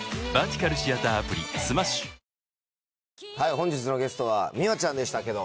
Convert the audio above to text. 本日のゲストはｍｉｗａちゃんでしたけど。